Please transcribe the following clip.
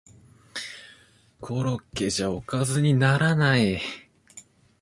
コロッケじゃおかずにならない